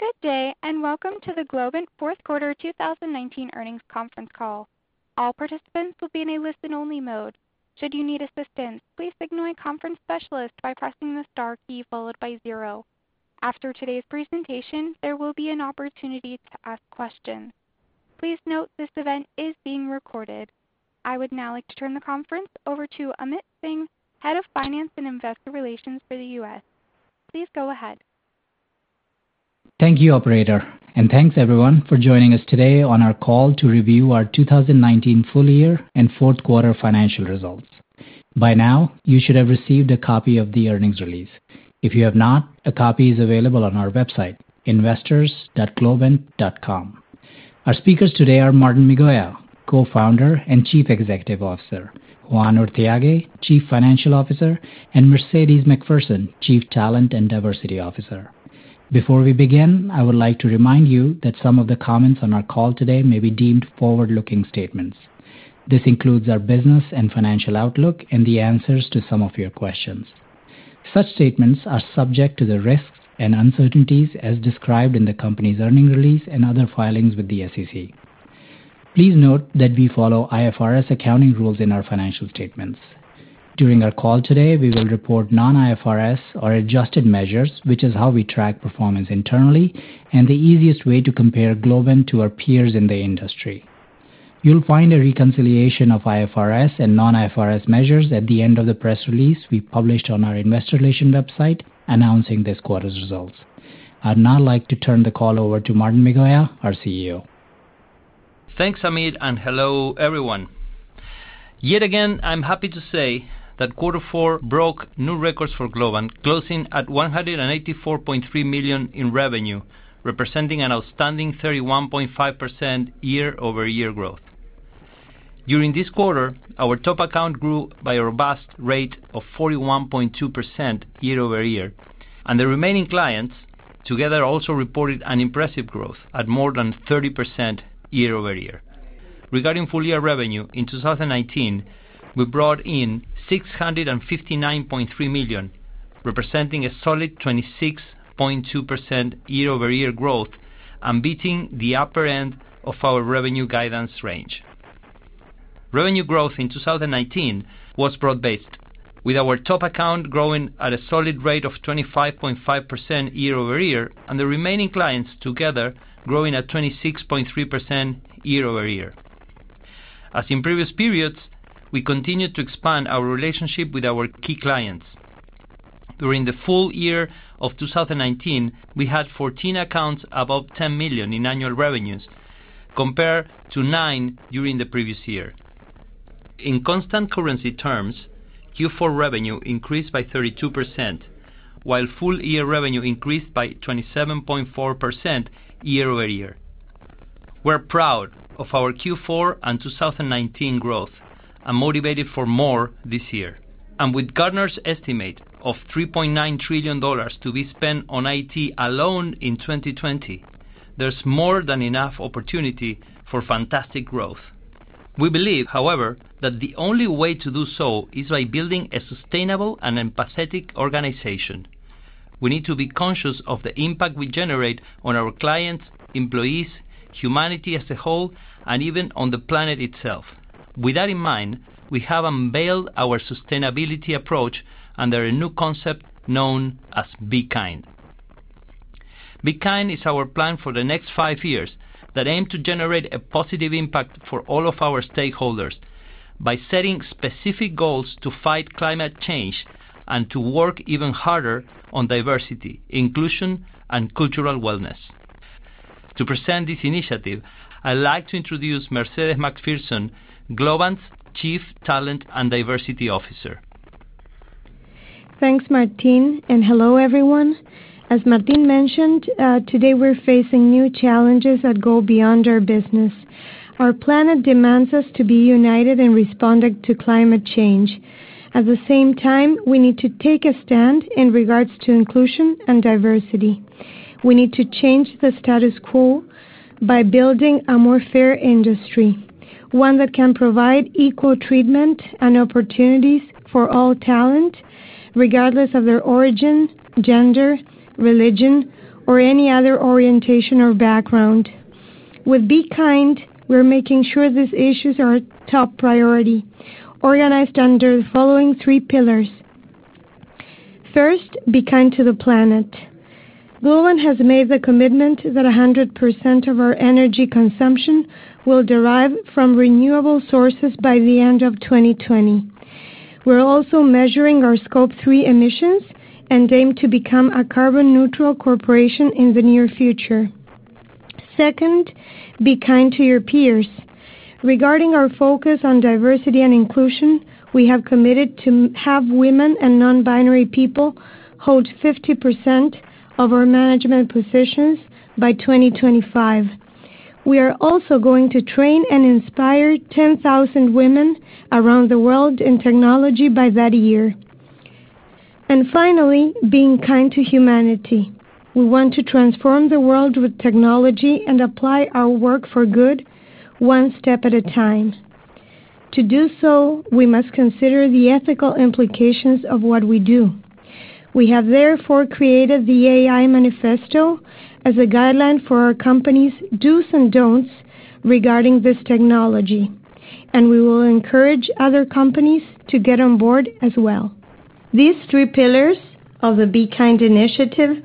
Good day, and welcome to the Globant fourth quarter 2019 earnings conference call. All participants will be in a listen-only mode. Should you need assistance, please signal a conference specialist by pressing the star key followed by zero. After today's presentation, there will be an opportunity to ask questions. Please note this event is being recorded. I would now like to turn the conference over to Amit Singh, Head of Finance and Investor Relations for the U.S. Please go ahead. Thank you, operator. Thanks everyone for joining us today on our call to review our 2019 full year and fourth quarter financial results. By now, you should have received a copy of the earnings release. If you have not, a copy is available on our website, investors.globant.com. Our speakers today are Martín Migoya, Co-Founder and Chief Executive Officer, Juan Urthiague, Chief Financial Officer, and Mercedes MacPherson, Chief Talent and Diversity Officer. Before we begin, I would like to remind you that some of the comments on our call today may be deemed forward-looking statements. This includes our business and financial outlook and the answers to some of your questions. Such statements are subject to the risks and uncertainties as described in the company's earnings release and other filings with the SEC. Please note that we follow IFRS accounting rules in our financial statements. During our call today, we will report non-IFRS or adjusted measures, which is how we track performance internally and the easiest way to compare Globant to our peers in the industry. You'll find a reconciliation of IFRS and non-IFRS measures at the end of the press release we published on our investor relation website announcing this quarter's results. I'd now like to turn the call over to Martín Migoya, our CEO. Thanks, Amit, and hello, everyone. Yet again, I'm happy to say that quarter four broke new records for Globant, closing at $184.3 million in revenue, representing an outstanding 31.5% year-over-year growth. During this quarter, our top account grew by a robust rate of 41.2% year-over-year, and the remaining clients together also reported an impressive growth at more than 30% year-over-year. Regarding full-year revenue, in 2019, we brought in $659.3 million, representing a solid 26.2% year-over-year growth and beating the upper end of our revenue guidance range. Revenue growth in 2019 was broad-based, with our top account growing at a solid rate of 25.5% year-over-year, and the remaining clients together growing at 26.3% year-over-year. As in previous periods, we continued to expand our relationship with our key clients. During the full year of 2019, we had 14 accounts above $10 million in annual revenues compared to nine during the previous year. In constant currency terms, Q4 revenue increased by 32%, while full-year revenue increased by 27.4% year-over-year. We're proud of our Q4 and 2019 growth and motivated for more this year. With Gartner's estimate of $3.9 trillion to be spent on IT alone in 2020, there's more than enough opportunity for fantastic growth. We believe, however, that the only way to do so is by building a sustainable and empathetic organization. We need to be conscious of the impact we generate on our clients, employees, humanity as a whole, and even on the planet itself. With that in mind, we have unveiled our sustainability approach under a new concept known as Be Kind. Be Kind is our plan for the next five years that aim to generate a positive impact for all of our stakeholders by setting specific goals to fight climate change and to work even harder on diversity, inclusion, and cultural wellness. To present this initiative, I'd like to introduce Mercedes MacPherson, Globant's Chief Talent and Diversity Officer. Thanks, Martín, hello, everyone. As Martín mentioned, today we're facing new challenges that go beyond our business. Our planet demands us to be united in responding to climate change. At the same time, we need to take a stand in regards to inclusion and diversity. We need to change the status quo by building a fairer industry, one that can provide equal treatment and opportunities for all talent, regardless of their origin, gender, religion, or any other orientation or background. With Be Kind, we're making sure these issues are our top priority, organized under the following three pillars. First, be kind to the planet. Globant has made the commitment that 100% of our energy consumption will derive from renewable sources by the end of 2020. We're also measuring our Scope 3 emissions and aim to become a carbon-neutral corporation in the near future. Second, be kind to your peers. Regarding our focus on diversity and inclusion, we have committed to have women and non-binary people hold 50% of our management positions by 2025. We are also going to train and inspire 10,000 women around the world in technology by that year. Finally, being kind to humanity. We want to transform the world with technology and apply our work for good one step at a time. To do so, we must consider the ethical implications of what we do. We have therefore created the AI Manifesto as a guideline for our company's do's and don'ts regarding this technology, and we will encourage other companies to get on board as well. These three pillars of the Be Kind initiative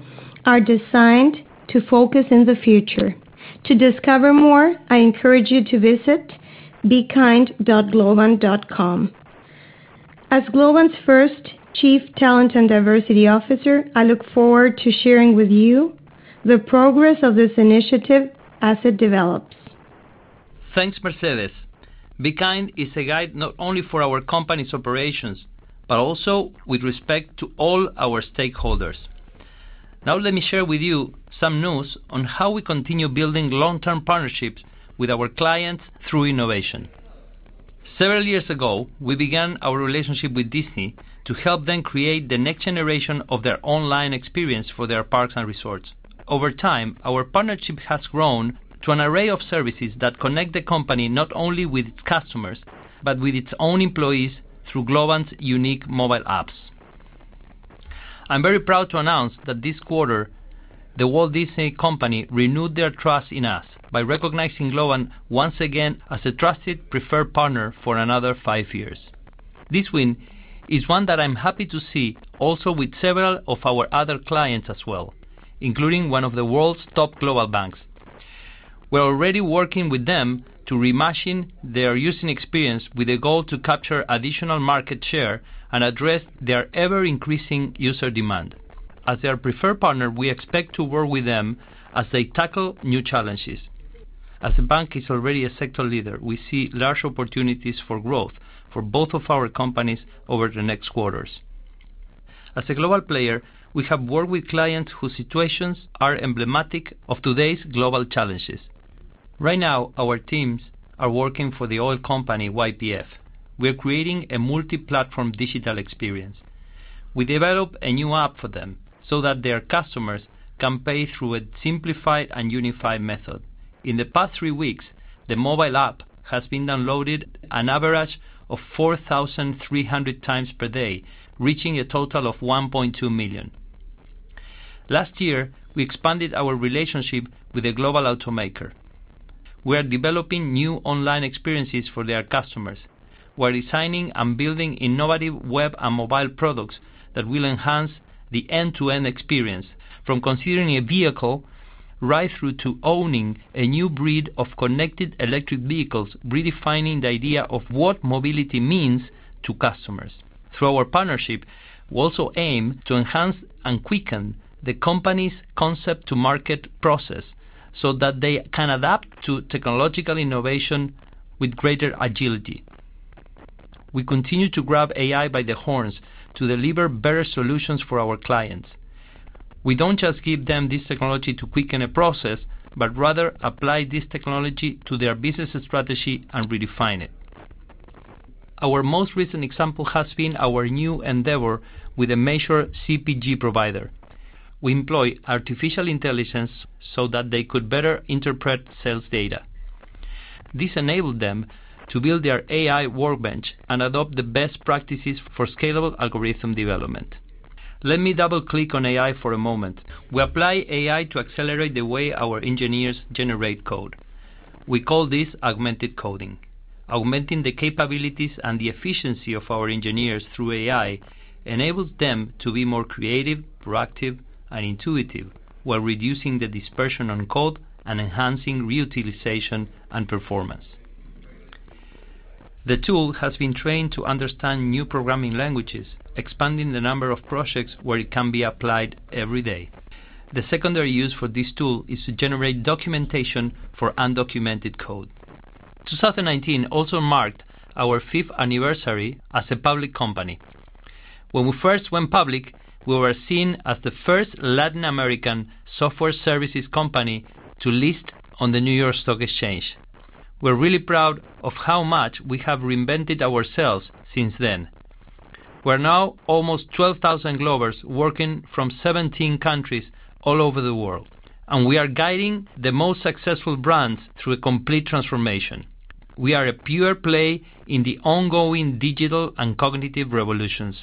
are designed to focus in the future. To discover more, I encourage you to visit bekind.globant.com. As Globant's first Chief Talent and Diversity Officer, I look forward to sharing with you the progress of this initiative as it develops. Thanks, Mercedes. Be Kind is a guide not only for our company's operations, but also with respect to all our stakeholders. Now let me share with you some news on how we continue building long-term partnerships with our clients through innovation. Several years ago, we began our relationship with Disney to help them create the next generation of their online experience for their parks and resorts. Over time, our partnership has grown to an array of services that connect the company not only with its customers, but with its own employees through Globant's unique mobile apps. I'm very proud to announce that this quarter, The Walt Disney Company renewed their trust in us by recognizing Globant once again as a trusted preferred partner for another five years. This win is one that I'm happy to see also with several of our other clients as well, including one of the world's top global banks. We're already working with them to reimagine their user experience with a goal to capture additional market share and address their ever-increasing user demand. As their preferred partner, we expect to work with them as they tackle new challenges. As the bank is already a sector leader, we see large opportunities for growth for both of our companies over the next quarters. As a global player, we have worked with clients whose situations are emblematic of today's global challenges. Right now, our teams are working for the oil company YPF. We're creating a multi-platform digital experience. We developed a new app for them so that their customers can pay through a simplified and unified method. In the past three weeks, the mobile app has been downloaded an average of 4,300 times per day, reaching a total of 1.2 million. Last year, we expanded our relationship with a global automaker. We are developing new online experiences for their customers. We're designing and building innovative web and mobile products that will enhance the end-to-end experience, from considering a vehicle right through to owning a new breed of connected electric vehicles, redefining the idea of what mobility means to customers. Through our partnership, we also aim to enhance and quicken the company's concept-to-market process so that they can adapt to technological innovation with greater agility. We continue to grab AI by the horns to deliver better solutions for our clients. We don't just give them this technology to quicken a process, but rather apply this technology to their business strategy and redefine it. Our most recent example has been our new endeavor with a major CPG provider. We employ artificial intelligence so that they could better interpret sales data. This enabled them to build their AI workbench and adopt the best practices for scalable algorithm development. Let me double-click on AI for a moment. We apply AI to accelerate the way our engineers generate code. We call this augmented coding. Augmenting the capabilities and the efficiency of our engineers through AI enables them to be more creative, proactive, and intuitive while reducing the dispersion on code and enhancing reutilization and performance. The tool has been trained to understand new programming languages, expanding the number of projects where it can be applied every day. The secondary use for this tool is to generate documentation for undocumented code. 2019 also marked our fifth anniversary as a public company. When we first went public, we were seen as the first Latin American software services company to list on the New York Stock Exchange. We're really proud of how much we have reinvented ourselves since then. We're now almost 12,000 Globers working from 17 countries all over the world, and we are guiding the most successful brands through a complete transformation. We are a pure play in the ongoing digital and cognitive revolutions,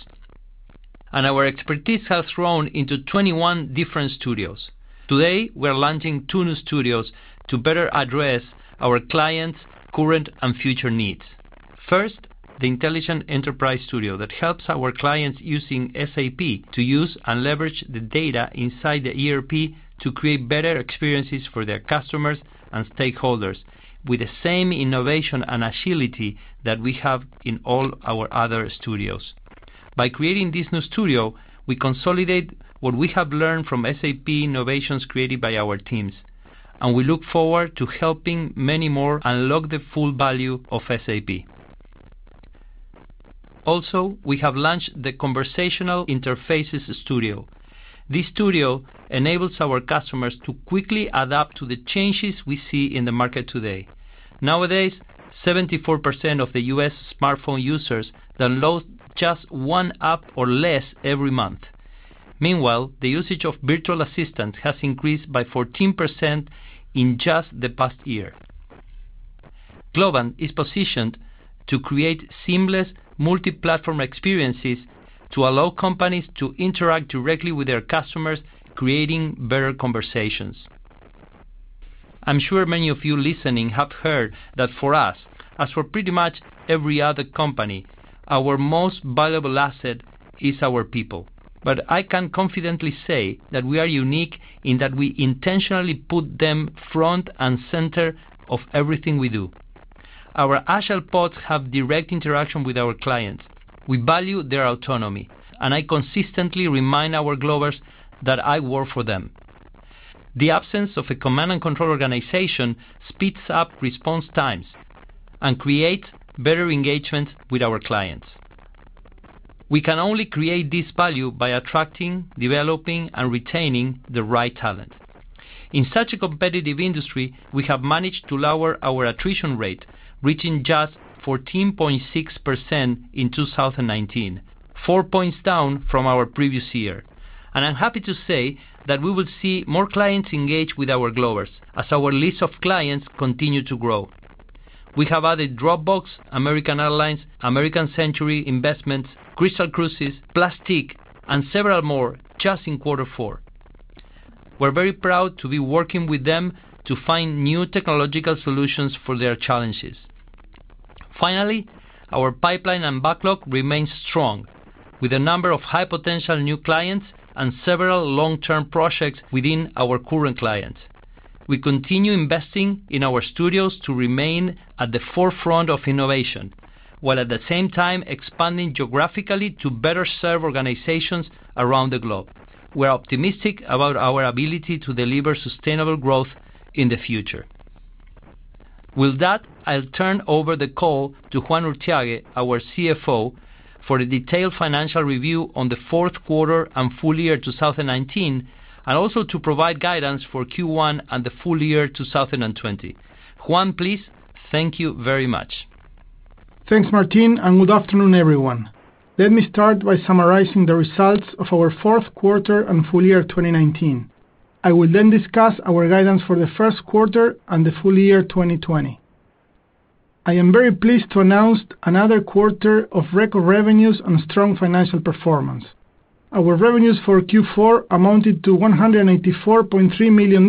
and our expertise has grown into 21 different studios. Today, we're launching two new studios to better address our clients' current and future needs. First, the Intelligent Enterprise Studio that helps our clients using SAP to use and leverage the data inside the ERP to create better experiences for their customers and stakeholders with the same innovation and agility that we have in all our other studios. By creating this new studio, we consolidate what we have learned from SAP innovations created by our teams, and we look forward to helping many more unlock the full value of SAP. We have launched the Conversational Interfaces Studio. This studio enables our customers to quickly adapt to the changes we see in the market today. Nowadays, 74% of the U.S. smartphone users download just one app or less every month. The usage of virtual assistants has increased by 14% in just the past year. Globant is positioned to create seamless multi-platform experiences to allow companies to interact directly with their customers, creating better conversations. I'm sure many of you listening have heard that for us, as for pretty much every other company, our most valuable asset is our people. I can confidently say that we are unique in that we intentionally put them front and center of everything we do. Our agile pods have direct interaction with our clients. We value their autonomy, and I consistently remind our Globers that I work for them. The absence of a command and control organization speeds up response times and creates better engagement with our clients. We can only create this value by attracting, developing, and retaining the right talent. In such a competitive industry, we have managed to lower our attrition rate, reaching just 14.6% in 2019, four points down from our previous year. I'm happy to say that we will see more clients engage with our Globers as our list of clients continue to grow. We have added Dropbox, American Airlines, American Century Investments, Crystal Cruises, Plastiq, and several more just in quarter four. We're very proud to be working with them to find new technological solutions for their challenges. Finally, our pipeline and backlog remains strong with a number of high-potential new clients and several long-term projects within our current clients. We continue investing in our studios to remain at the forefront of innovation, while at the same time expanding geographically to better serve organizations around the globe. We're optimistic about our ability to deliver sustainable growth in the future. With that, I'll turn over the call to Juan Urthiague, our CFO, for a detailed financial review on the fourth quarter and full year 2019, and also to provide guidance for Q1 and the full year 2020. Juan, please. Thank you very much. Thanks, Martín. Good afternoon, everyone. Let me start by summarizing the results of our fourth quarter and full year 2019. I will discuss our guidance for the first quarter and the full year 2020. I am very pleased to announce another quarter of record revenues and strong financial performance. Our revenues for Q4 amounted to $184.3 million,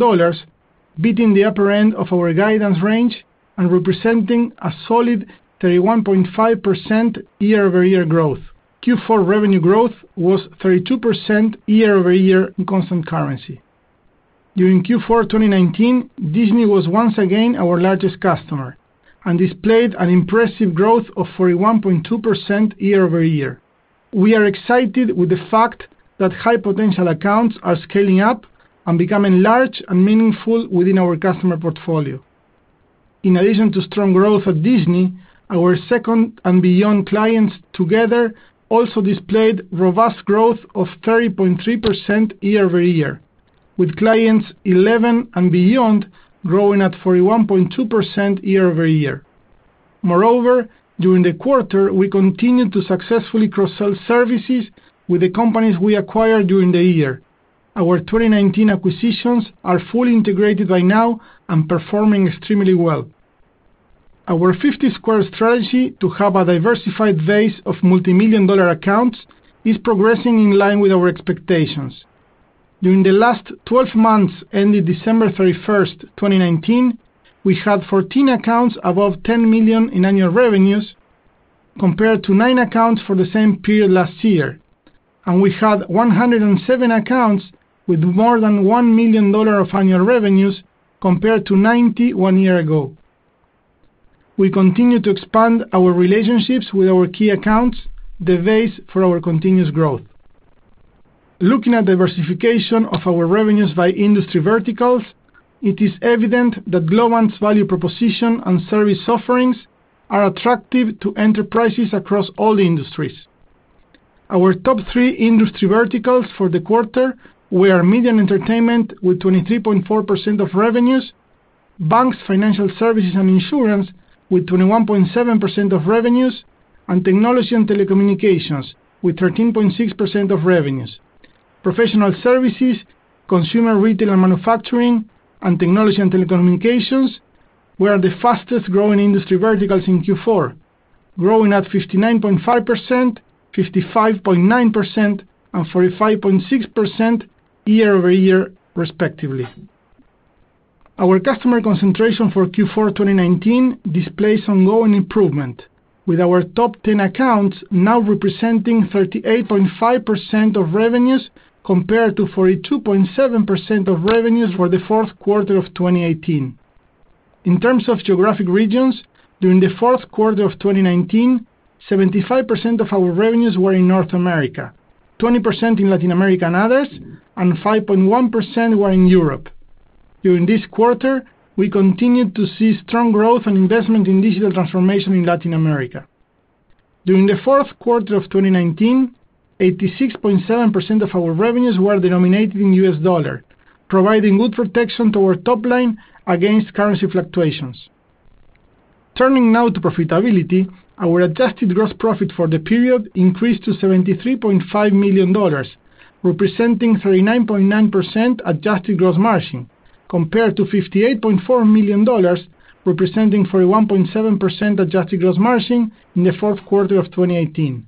beating the upper end of our guidance range and representing a solid 31.5% year-over-year growth. Q4 revenue growth was 32% year-over-year in constant currency. During Q4 2019, Disney was once again our largest customer and displayed an impressive growth of 41.2% year-over-year. We are excited with the fact that high-potential accounts are scaling up and becoming large and meaningful within our customer portfolio. In addition to strong growth at Disney, our second and beyond clients together also displayed robust growth of 30.3% year-over-year, with clients 11 and beyond growing at 41.2% year-over-year. Moreover, during the quarter, we continued to successfully cross-sell services with the companies we acquired during the year. Our 2019 acquisitions are fully integrated right now and performing extremely well. Our 50 Square strategy to have a diversified base of multimillion-dollar accounts is progressing in line with our expectations. During the last 12 months ending December 31, 2019, we had 14 accounts above $10 million in annual revenues compared to nine accounts for the same period last year, and we had 107 accounts with more than $1 million of annual revenues compared to 90 one year ago. We continue to expand our relationships with our key accounts, the base for our continuous growth. Looking at diversification of our revenues by industry verticals, it is evident that Globant's value proposition and service offerings are attractive to enterprises across all the industries. Our top three industry verticals for the quarter were media and entertainment with 23.4% of revenues, banks, financial services, and insurance with 21.7% of revenues, and technology and telecommunications with 13.6% of revenues. Professional services, consumer retail and manufacturing, and technology and telecommunications were the fastest-growing industry verticals in Q4, growing at 59.5%, 55.9%, and 45.6% year-over-year respectively. Our customer concentration for Q4 2019 displays ongoing improvement, with our top 10 accounts now representing 38.5% of revenues compared to 42.7% of revenues for the fourth quarter of 2018. In terms of geographic regions, during the fourth quarter of 2019, 75% of our revenues were in North America, 20% in Latin America and others, and 5.1% were in Europe. During this quarter, we continued to see strong growth and investment in digital transformation in Latin America. During the fourth quarter of 2019, 86.7% of our revenues were denominated in U.S. dollar, providing good protection to our top line against currency fluctuations. Turning now to profitability, our adjusted gross profit for the period increased to $73.5 million, representing 39.9% adjusted gross margin, compared to $58.4 million, representing 41.7% adjusted gross margin in the fourth quarter of 2018.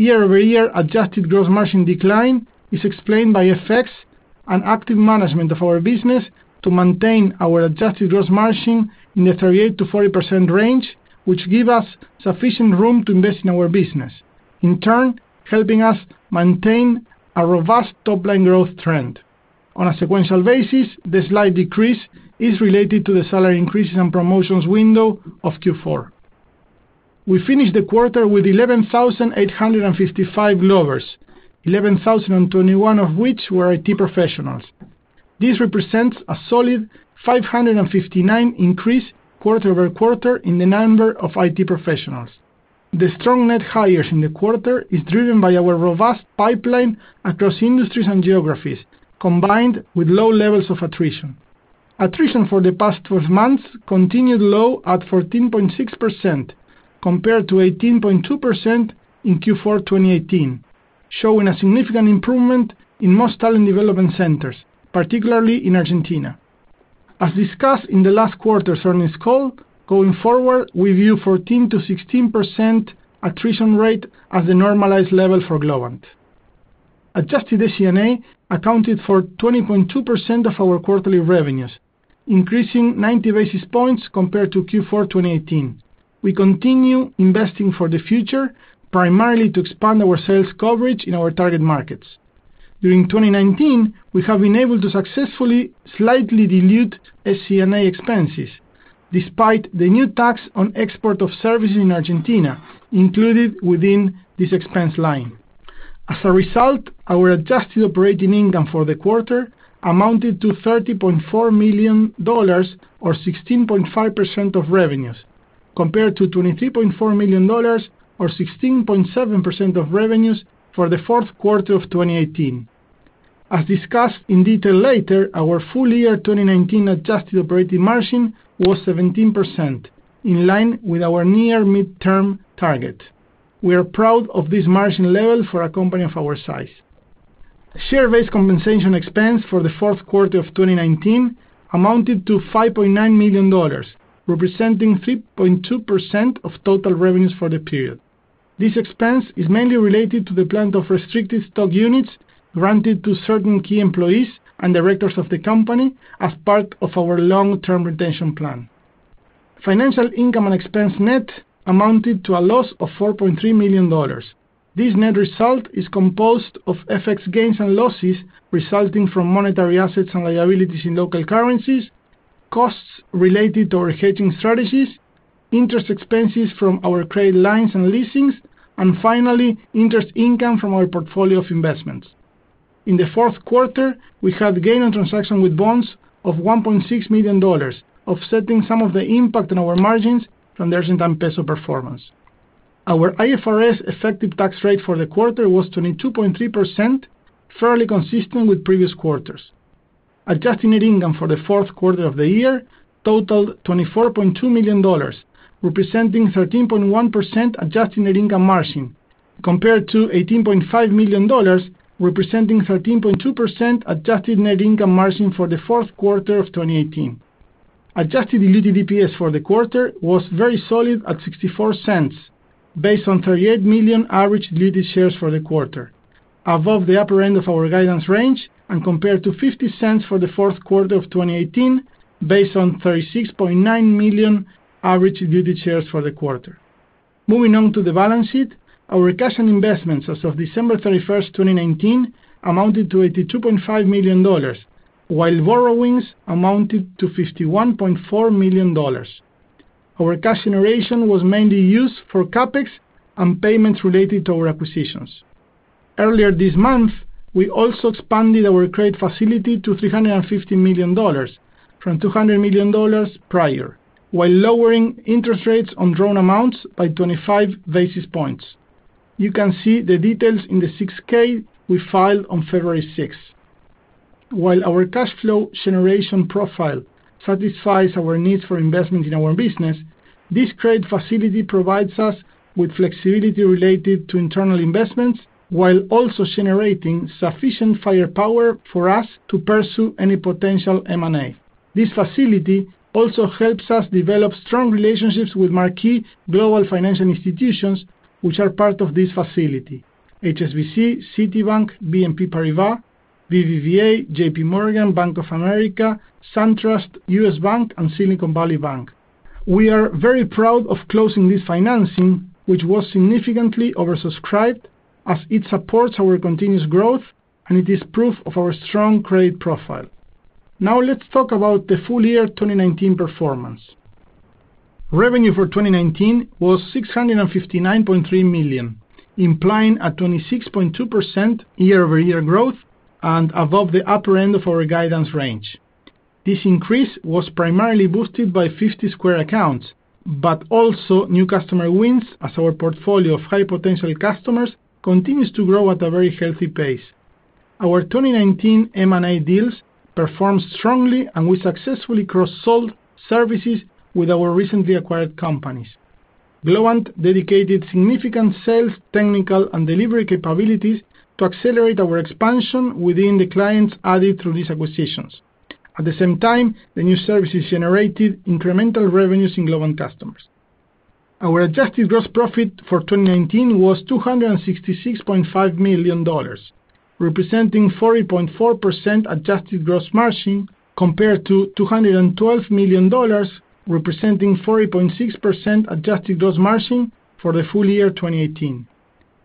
Year-over-year adjusted gross margin decline is explained by effects and active management of our business to maintain our adjusted gross margin in the 38%-40% range, which give us sufficient room to invest in our business, in turn, helping us maintain a robust top-line growth trend. On a sequential basis, the slight decrease is related to the salary increases and promotions window of Q4. We finished the quarter with 11,855 Globers, 11,021 of which were IT professionals. This represents a solid 559 increase quarter-over-quarter in the number of IT professionals. The strong net hires in the quarter is driven by our robust pipeline across industries and geographies, combined with low levels of attrition. Attrition for the past 12 months continued low at 14.6%, compared to 18.2% in Q4 2018, showing a significant improvement in most talent development centers, particularly in Argentina. As discussed in the last quarter's earnings call, going forward, we view 14%-16% attrition rate as the normalized level for Globant. Adjusted SG&A accounted for 20.2% of our quarterly revenues, increasing 90 basis points compared to Q4 2018. We continue investing for the future, primarily to expand our sales coverage in our target markets. During 2019, we have been able to successfully slightly dilute SG&A expenses, despite the new tax on export of services in Argentina included within this expense line. As a result, our adjusted operating income for the quarter amounted to $30.4 million or 16.5% of revenues, compared to $23.4 million or 16.7% of revenues for the fourth quarter of 2018. As discussed in detail later, our full year 2019 adjusted operating margin was 17%, in line with our near midterm target. We are proud of this margin level for a company of our size. Share-based compensation expense for the fourth quarter of 2019 amounted to $5.9 million, representing 3.2% of total revenues for the period. This expense is mainly related to the grant of restricted stock units granted to certain key employees and directors of the company as part of our long-term retention plan. Financial income and expense net amounted to a loss of $4.3 million. This net result is composed of FX gains and losses resulting from monetary assets and liabilities in local currencies, costs related to our hedging strategies, interest expenses from our credit lines and leasings, and finally, interest income from our portfolio of investments. In the fourth quarter, we had gain on transaction with bonds of $1.6 million, offsetting some of the impact on our margins from the Argentine peso performance. Our IFRS effective tax rate for the quarter was 22.3%, fairly consistent with previous quarters. Adjusted net income for the fourth quarter of the year totaled $24.2 million, representing 13.1% adjusted net income margin, compared to $18.5 million, representing 13.2% adjusted net income margin for the fourth quarter of 2018. Adjusted diluted EPS for the quarter was very solid at $0.64 based on 38 million average diluted shares for the quarter, above the upper end of our guidance range and compared to $0.50 for the fourth quarter of 2018, based on 36.9 million average diluted shares for the quarter. Moving on to the balance sheet. Our cash and investments as of December 31st, 2019 amounted to $82.5 million, while borrowings amounted to $51.4 million. Our cash generation was mainly used for CapEx and payments related to our acquisitions. Earlier this month, we also expanded our credit facility to $350 million from $200 million prior, while lowering interest rates on drawn amounts by 25 basis points. You can see the details in the 6-K we filed on February 6th. While our Cash Flow generation profile satisfies our needs for investment in our business, this credit facility provides us with flexibility related to internal investments, while also generating sufficient firepower for us to pursue any potential M&A. This facility also helps us develop strong relationships with marquee global financial institutions, which are part of this facility: HSBC, Citibank, BNP Paribas, BBVA, J.P. Morgan, Bank of America, SunTrust, U.S. Bank, and Silicon Valley Bank. We are very proud of closing this financing, which was significantly oversubscribed as it supports our continuous growth, and it is proof of our strong credit profile. Let's talk about the full-year 2019 performance. Revenue for 2019 was $659.3 million, implying a 26.2% year-over-year growth and above the upper end of our guidance range. This increase was primarily boosted by 50 Square accounts, but also new customer wins as our portfolio of high-potential customers continues to grow at a very healthy pace. Our 2019 M&A deals performed strongly, and we successfully cross-sold services with our recently acquired companies. Globant dedicated significant sales, technical, and delivery capabilities to accelerate our expansion within the clients added through these acquisitions. At the same time, the new services generated incremental revenues in Globant customers. Our adjusted gross profit for 2019 was $266.5 million, representing 40.4% adjusted gross margin, compared to $212 million, representing 40.6% adjusted gross margin for the full year 2018.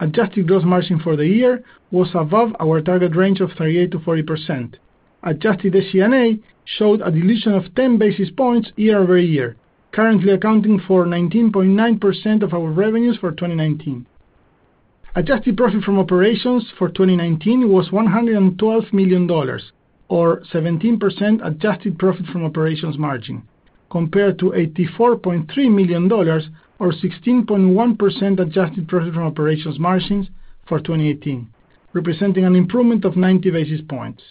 Adjusted gross margin for the year was above our target range of 38%-40%. Adjusted SG&A showed a dilution of 10 basis points year-over-year, currently accounting for 19.9% of our revenues for 2019. Adjusted profit from operations for 2019 was $112 million, or 17% adjusted profit from operations margin, compared to $84.3 million, or 16.1% adjusted profit from operations margins for 2018, representing an improvement of 90 basis points.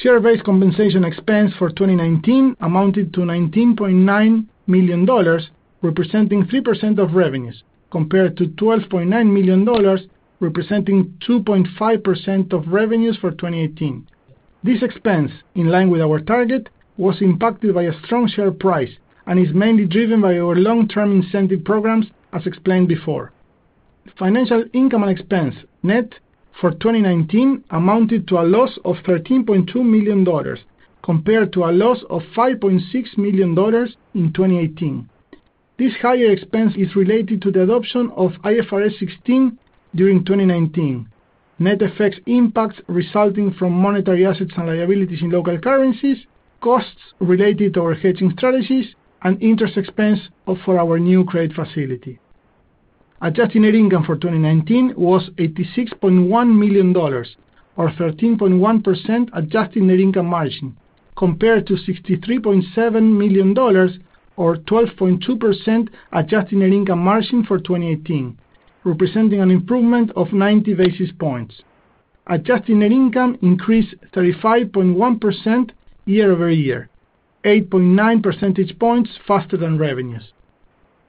Share-based compensation expense for 2019 amounted to $19.9 million, representing 3% of revenues, compared to $12.9 million, representing 2.5% of revenues for 2018. This expense, in line with our target, was impacted by a strong share price and is mainly driven by our long-term incentive programs, as explained before. Financial income and expense net for 2019 amounted to a loss of $13.2 million, compared to a loss of $5.6 million in 2018. This higher expense is related to the adoption of IFRS 16 during 2019. Net effects impacts resulting from monetary assets and liabilities in local currencies, costs related to our hedging strategies, and interest expense for our new credit facility. Adjusted net income for 2019 was $86.1 million, or 13.1% adjusted net income margin, compared to $63.7 million or 12.2% adjusted net income margin for 2018, representing an improvement of 90 basis points. Adjusted net income increased 35.1% year-over-year, 8.9% points faster than revenues.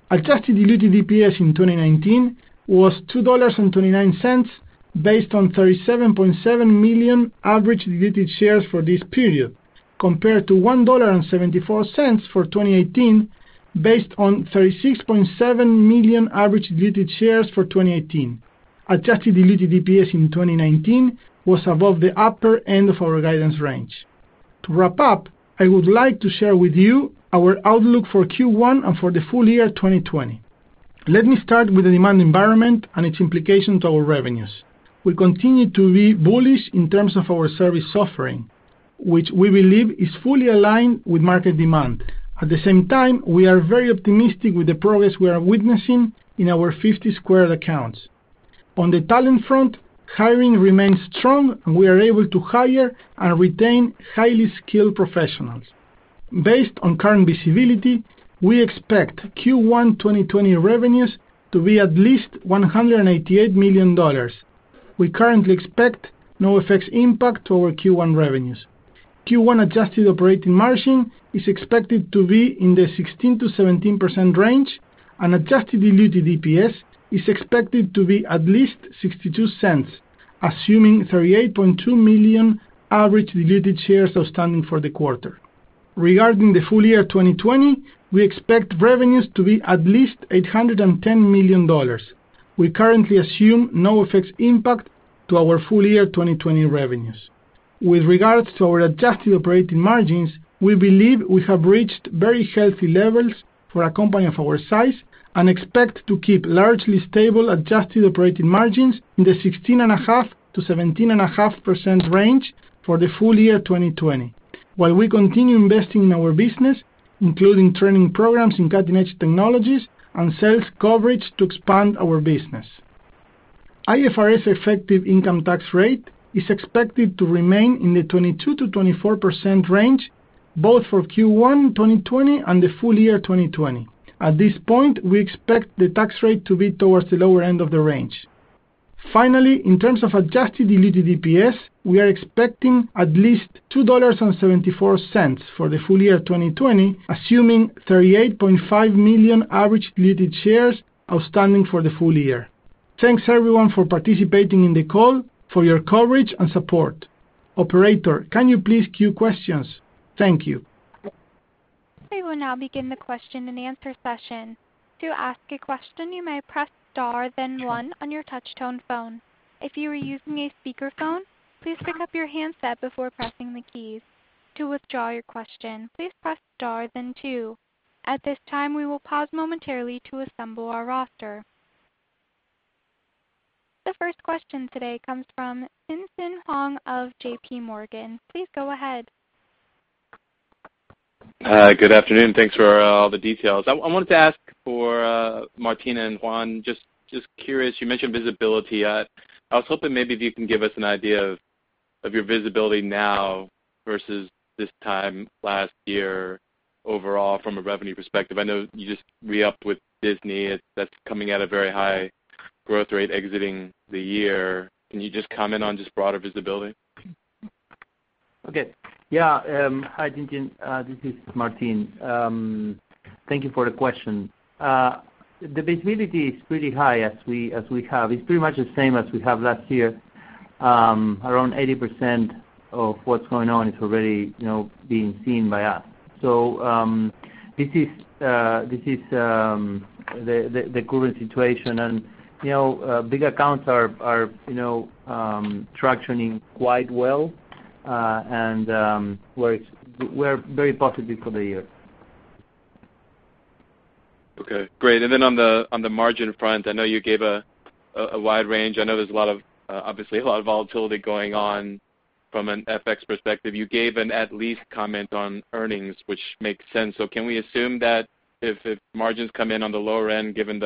Adjusted diluted EPS in 2019 was $2.29, based on 37.7 million average diluted shares for this period, compared to $1.74 for 2018, based on 36.7 million average diluted shares for 2018. Adjusted diluted EPS in 2019 was above the upper end of our guidance range. To wrap up, I would like to share with you our outlook for Q1 and for the full year 2020. Let me start with the demand environment and its implication to our revenues. We continue to be bullish in terms of our service offering, which we believe is fully aligned with market demand. At the same time, we are very optimistic with the progress we are witnessing in our 50 Squared accounts. On the talent front, hiring remains strong, and we are able to hire and retain highly skilled professionals. Based on current visibility, we expect Q1 2020 revenues to be at least $188 million. We currently expect no FX impact to our Q1 revenues. Q1 adjusted operating margin is expected to be in the 16%-17% range, and adjusted diluted EPS is expected to be at least $0.62, assuming 38.2 million average diluted shares outstanding for the quarter. Regarding the full year 2020, we expect revenues to be at least $810 million. We currently assume no FX impact to our full-year 2020 revenues. With regards to our adjusted operating margins, we believe we have reached very healthy levels for a company of our size and expect to keep largely stable adjusted operating margins in the 16.5%-17.5% range for the full year 2020 while we continue investing in our business, including training programs in cutting-edge technologies and sales coverage to expand our business. IFRS effective income tax rate is expected to remain in the 22%-24% range both for Q1 2020 and the full year 2020. At this point, we expect the tax rate to be towards the lower end of the range. Finally, in terms of adjusted diluted EPS, we are expecting at least $2.74 for the full year 2020, assuming 38.5 million average diluted shares outstanding for the full year. Thanks everyone for participating in the call, for your coverage and support. Operator, can you please queue questions? Thank you. We will now begin the question and answer session. To ask a question, you may press star then one on your touch tone phone. If you are using a speakerphone, please pick up your handset before pressing the keys. To withdraw your question, please press star then two. At this time, we will pause momentarily to assemble our roster. The first question today comes from Tien-Tsin Huang of J.P. Morgan. Please go ahead. Good afternoon. Thanks for all the details. I wanted to ask for Martín and Juan, just curious, you mentioned visibility. I was hoping maybe if you can give us an idea of your visibility now versus this time last year? Overall, from a revenue perspective, I know you just re-upped with Disney. That's coming at a very high growth rate exiting the year. Can you just comment on just broader visibility? Okay. Yeah. Hi, Tien-Tsin. This is Martín. Thank you for the question. The visibility is pretty high as we have. It's pretty much the same as we have last year. Around 80% of what's going on is already being seen by us. This is the current situation, and big accounts are tractioning quite well, and we're very positive for the year. Okay, great. On the margin front, I know you gave a wide range. I know there's obviously a lot of volatility going on from an FX perspective. You gave an at least comment on earnings, which makes sense. Can we assume that if margins come in on the lower end, given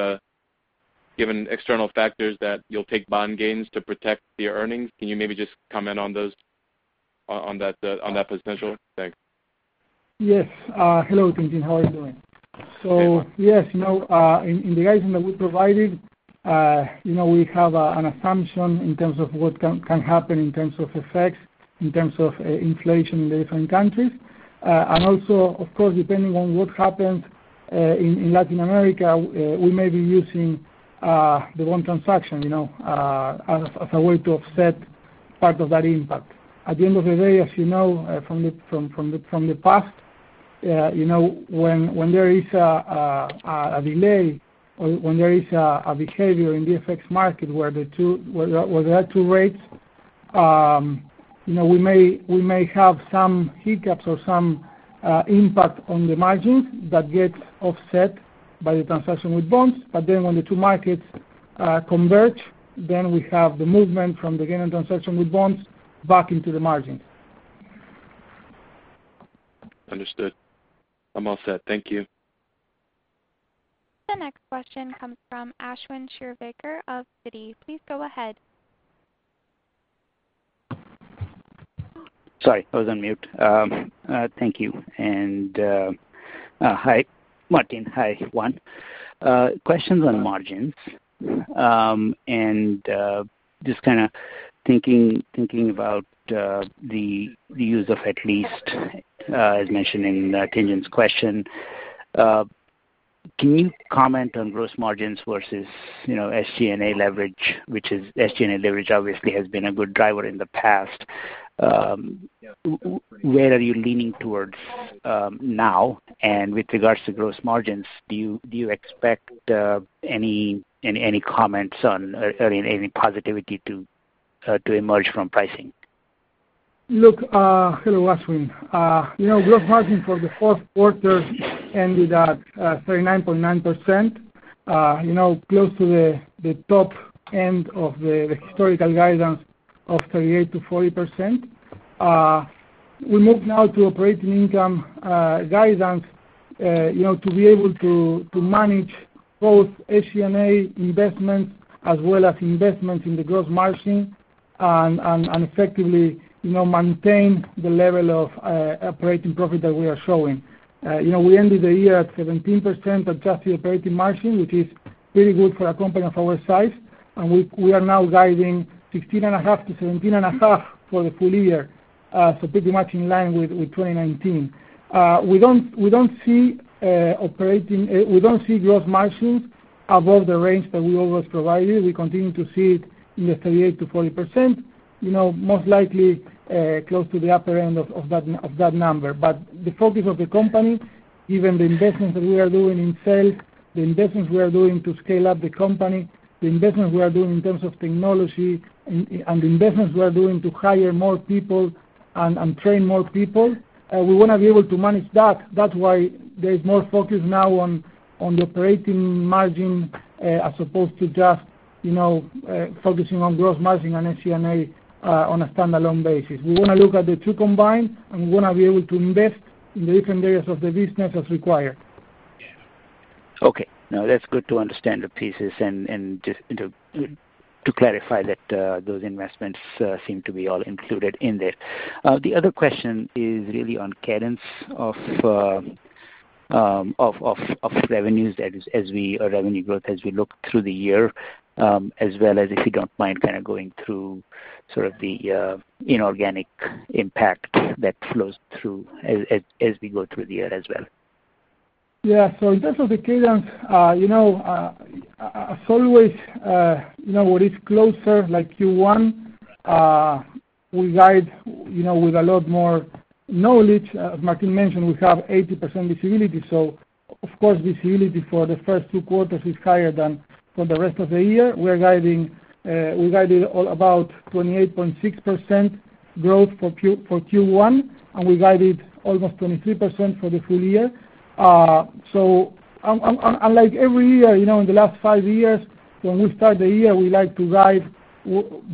external factors, that you'll take bond gains to protect the earnings? Can you maybe just comment on that potential? Thanks. Yes. Hello, Tien-Tsin. How are you doing? Yes, in the guidance that we provided, we have an assumption in terms of what can happen in terms of FX, in terms of inflation in the different countries. Also, of course, depending on what happens in Latin America, we may be using the one transaction as a way to offset part of that impact. At the end of the day, as you know from the past, when there is a delay or when there is a behavior in the FX market where there are two rates, we may have some hiccups or some impact on the margins that get offset by the transaction with bonds. When the two markets converge, then we have the movement from the gain on transaction with bonds back into the margins. Understood. I'm all set. Thank you. The next question comes from Ashwin Shirvaikar of Citi. Please go ahead. Sorry, I was on mute. Thank you, and hi, Martín. Hi, Juan. Questions on margins. Just kind of thinking about the use of at least, as mentioned in Tien-Tsin's question. Can you comment on gross margins versus SG&A leverage, which is SG&A leverage obviously has been a good driver in the past. Where are you leaning towards now? With regards to gross margins, do you expect any comments on any positivity to emerge from pricing? Look. Hello, Ashwin. Gross margin for the fourth quarter ended at 39.9%, close to the top end of the historical guidance of 38%-40%. We move now to operating income guidance to be able to manage both SG&A investments as well as investments in the gross margin and effectively maintain the level of operating profit that we are showing. We ended the year at 17% adjusted operating margin, which is pretty good for a company of our size. We are now guiding 16.5%-17.5% for the full year. Pretty much in line with 2019. We don't see gross margins above the range that we always provided. We continue to see it in the 38%-40%, most likely close to the upper end of that number. The focus of the company, given the investments that we are doing in sales, the investments we are doing to scale up the company, the investments we are doing in terms of technology, and the investments we are doing to hire more people and train more people, we want to be able to manage that. That's why there is more focus now on the operating margin as opposed to just focusing on gross margin and SG&A on a standalone basis. We want to look at the two combined, and we want to be able to invest in the different areas of the business as required. Okay. No, that's good to understand the pieces and just to clarify that those investments seem to be all included in there. The other question is really on cadence of revenue growth as we look through the year. As well as, if you don't mind kind of going through sort of the inorganic impact that flows through as we go through the year as well. Yeah. In terms of the cadence, as always when it's closer like Q1, we guide with a lot more knowledge. As Martín mentioned, we have 80% visibility. Of course, visibility for the first two quarters is higher than for the rest of the year. We guided all about 28.6% growth for Q1, and we guided almost 23% for the full year. Unlike every year, in the last five years, when we start the year, we like to guide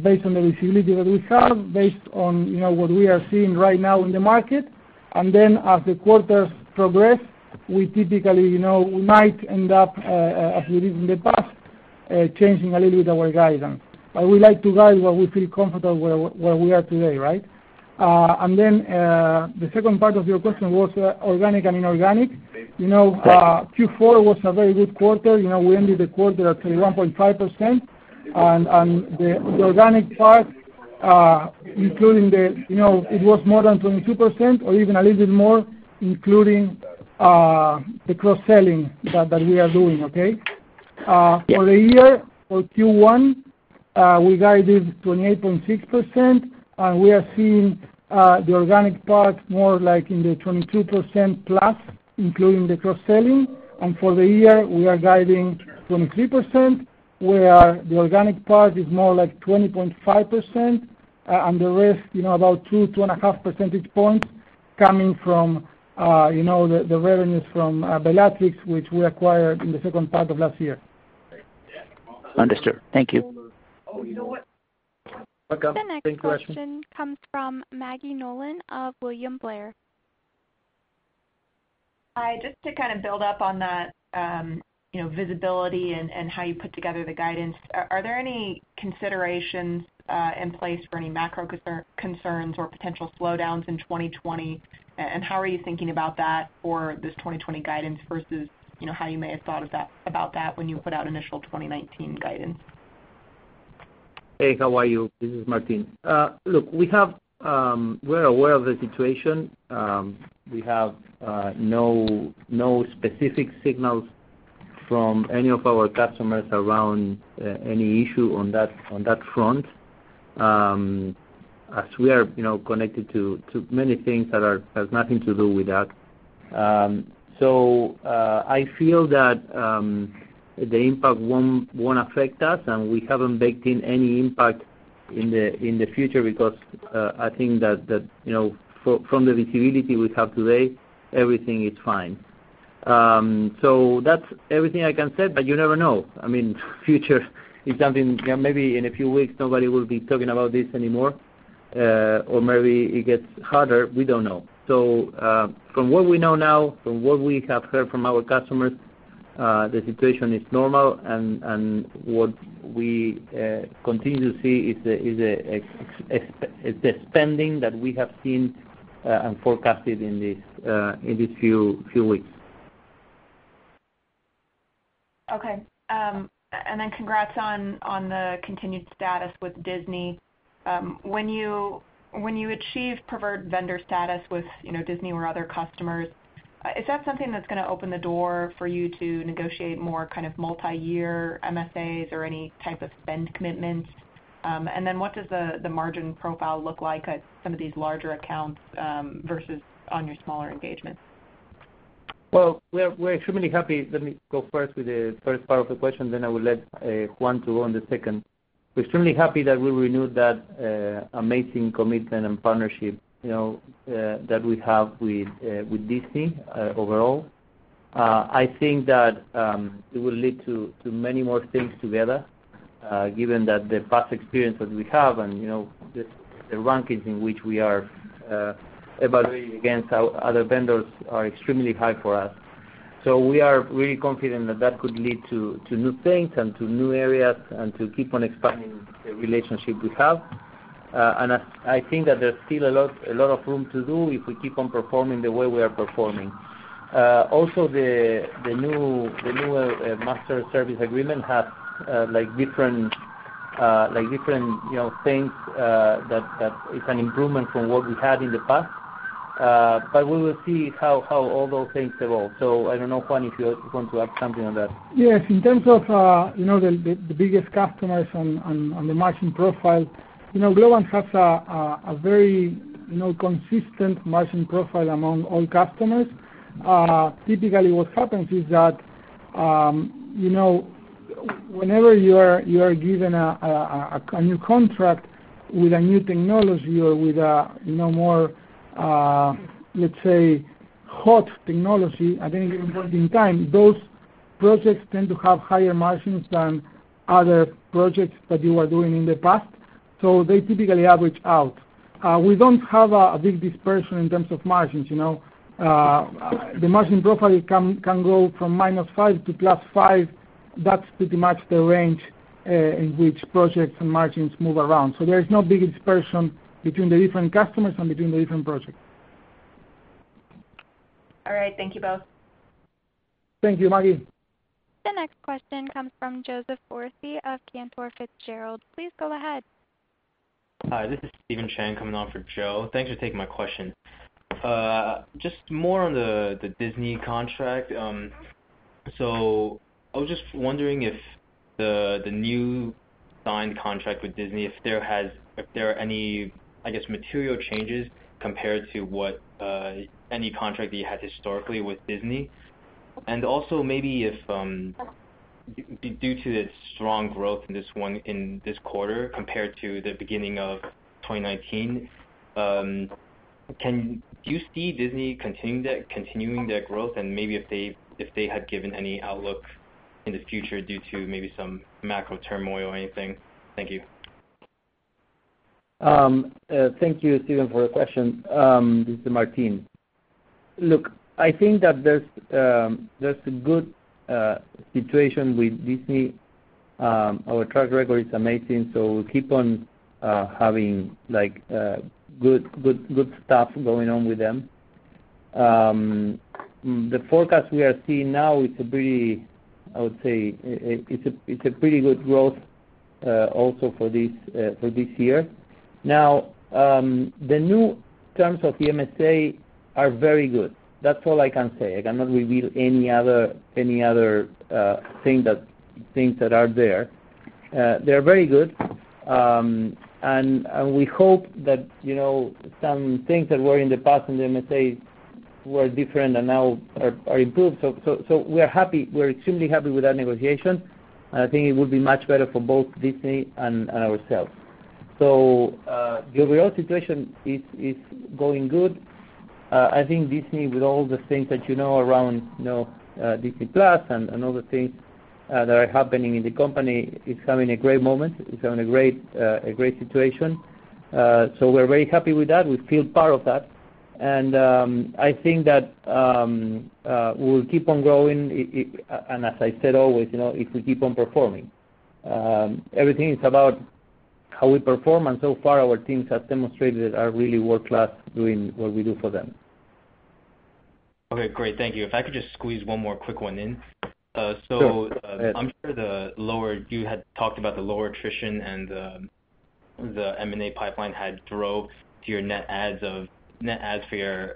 based on the visibility that we have, based on what we are seeing right now in the market. As the quarters progress, we typically might end up, as we did in the past, changing a little bit our guidance. We like to guide where we feel comfortable where we are today, right? The second part of your question was organic and inorganic, Q4 was a very good quarter. We ended the quarter at 21.5%, and the organic part it was more than 22%, or even a little bit more, including the cross-selling that we are doing, okay? For the year, for Q1, we guided 28.6%, and we are seeing the organic part more like in the 22%+, including the cross-selling. And for the year, we are guiding 23%, where the organic part is more like 20.5%, and the rest, about two, 2.5 % points coming from the revenues from Belatrix, which we acquired in the second part of last year. Understood. Thank you. Welcome. Any question? The next question comes from Maggie Nolan of William Blair. Hi. Just to kind of build up on that visibility and how you put together the guidance, are there any considerations in place for any macro concerns or potential slowdowns in 2020? How are you thinking about that for this 2020 guidance versus how you may have thought about that when you put out initial 2019 guidance? Hey, how are you? This is Martín. We're aware of the situation. We have no specific signals from any of our customers around any issue on that front as we are connected to many things that has nothing to do with that. I feel that the impact won't affect us, and we haven't baked in any impact in the future because I think that from the visibility we have today, everything is fine. That's everything I can say, but you never know. Future is something, maybe in a few weeks, nobody will be talking about this anymore. Maybe it gets harder, we don't know. From what we know now, from what we have heard from our customers, the situation is normal. What we continue to see is the spending that we have seen and forecasted in these few weeks. Congrats on the continued status with Disney. When you achieve preferred vendor status with Disney or other customers, is that something that's going to open the door for you to negotiate more kind of multi-year MSAs or any type of spend commitments? What does the margin profile look like at some of these larger accounts versus on your smaller engagements? Well, we are extremely happy. Let me go first with the first part of the question, then I will let Juan to go on the second. We're extremely happy that we renewed that amazing commitment and partnership that we have with Disney overall. I think that it will lead to many more things together, given that the past experience that we have and the rankings in which we are evaluated against other vendors are extremely high for us. We are really confident that that could lead to new things and to new areas and to keep on expanding the relationship we have. I think that there's still a lot of room to do if we keep on performing the way we are performing. Also, the new master service agreement has different things that is an improvement from what we had in the past. We will see how all those things evolve. I don't know, Juan, if you want to add something on that. Yes, in terms of the biggest customers on the margin profile, Globant has a very consistent margin profile among all customers. Typically, what happens is that whenever you are given a new contract with a new technology or with a more, let's say, hot technology at any given point in time, those projects tend to have higher margins than other projects that you were doing in the past. They typically average out. We don't have a big dispersion in terms of margins. The margin profile can go from -5 to +5. That's pretty much the range in which projects and margins move around. There is no big dispersion between the different customers and between the different projects. All right. Thank you both. Thank you, Maggie. The next question comes from Joseph Foresi of Cantor Fitzgerald. Please go ahead. Hi, this is Steven Chang coming on for Joe. Thanks for taking my question. Just more on the Disney contract. I was just wondering if the new signed contract with Disney, if there are any, I guess, material changes compared to any contract that you had historically with Disney. Also maybe due to its strong growth in this quarter compared to the beginning of 2019, do you see Disney continuing their growth? And maybe if they had given any outlook in the future due to maybe some macro turmoil or anything. Thank you. Thank you, Steven, for the question. This is Martín. Look, I think that there's a good situation with Disney. Our track record is amazing, so we keep on having good stuff going on with them. The forecast we are seeing now, I would say it's a pretty good growth also for this year. The new terms of the MSA are very good. That's all I can say. I cannot reveal any other things that are there. They are very good, and we hope that some things that were in the past in the MSA were different and now are improved. We're extremely happy with that negotiation, and I think it would be much better for both Disney and ourselves. The overall situation is going good. I think Disney, with all the things that you know around Disney+ and other things that are happening in the company, is having a great moment, is having a great situation. We're very happy with that. We feel part of that, and I think that we'll keep on growing, and as I said, always, if we keep on performing. Everything is about how we perform, and so far, our teams have demonstrated that are really world-class doing what we do for them. Okay, great. Thank you. If I could just squeeze one more quick one in. Sure. I'm sure you had talked about the lower attrition and the M&A pipeline had drove to your net adds for your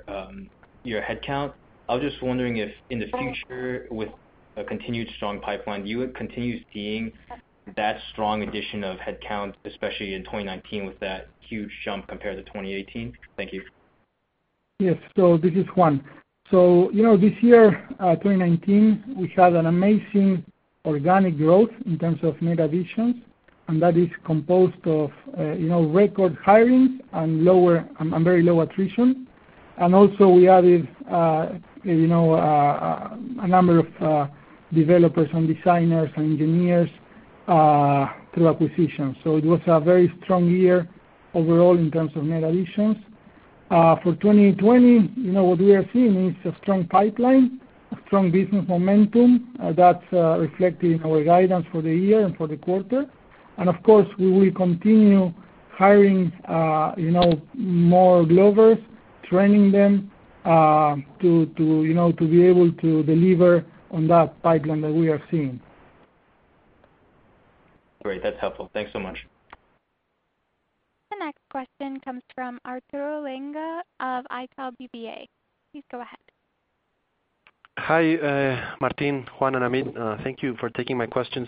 headcount. I was just wondering if, in the future, with a continued strong pipeline, you would continue seeing that strong addition of headcount, especially in 2019, with that huge jump compared to 2018? Thank you. Yes. This is Juan. This year, 2019, we had an amazing organic growth in terms of net additions, and that is composed of record hiring and very low attrition. Also we added a number of developers and designers and engineers through acquisitions. It was a very strong year overall in terms of net additions. For 2020, what we are seeing is a strong pipeline, a strong business momentum. That's reflected in our guidance for the year and for the quarter. Of course, we will continue hiring more Globers, training them, to be able to deliver on that pipeline that we are seeing. Great. That's helpful. Thanks so much. The next question comes from Arturo Langa of Itaú BBA. Please go ahead. Hi, Martín, Juan, and Amit. Thank you for taking my questions.